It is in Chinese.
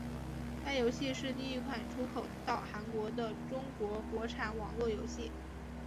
该游戏是第一款出口到韩国的中国国产网络游戏。